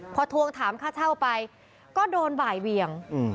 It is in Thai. พอทวงถามค่าเช่าไปก็โดนบ่ายเวียง